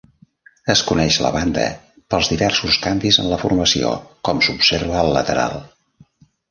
Es coneix la banda pels diversos canvis en la formació, com s'observa al lateral.